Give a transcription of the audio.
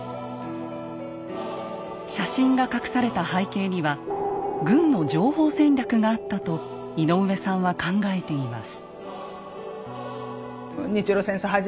写真が隠された背景には軍の情報戦略があったと井上さんは考えています。